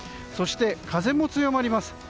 そして、風も強まります。